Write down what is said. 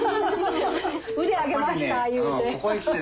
腕上げましたいうて。